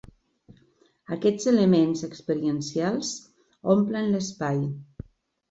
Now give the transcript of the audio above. Aquests elements experiencials omplen l'espai.